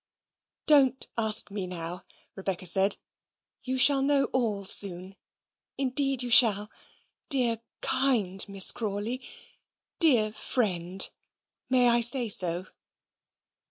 "Don't ask me now," Rebecca said. "You shall know all soon. Indeed you shall. Dear kind Miss Crawley dear friend, may I say so?"